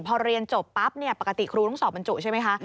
พอเรียนจบปั๊บปกติครูต้องสอบบรรจุใช่ไหมคะ